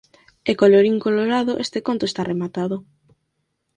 E colorín, colorado, este conto está rematado